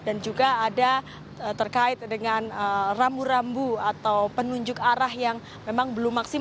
dan juga ada terkait dengan rambu rambu atau penunjuk arah yang memang belum maksimal